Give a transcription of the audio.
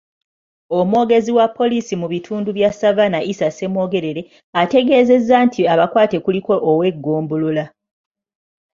Omwogezi wa poliisi mu bitundu bya Savannah, Isa Ssemwogerere, ategeezezza nti abakwate kuliko ow'eggombolola